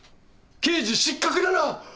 刑事失格だな！」